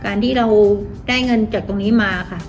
การที่เราได้เงินจากตรงนี้มาค่ะ